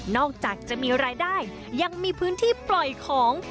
จากจะมีรายได้ยังมีพื้นที่ปล่อยของ